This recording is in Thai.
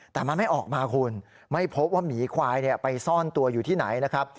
แต่มันไม่ออกมาคุณไม่พบว่าหมีควายไปซ่อนตัวอยู่ที่ไหนนะครับ